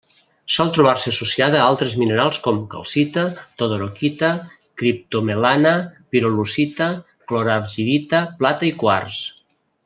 Sol trobar-se associada a altres minerals com: calcita, todorokita, criptomelana, pirolusita, clorargirita, plata i quars.